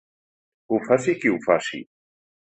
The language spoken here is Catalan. Ho faci qui ho faci.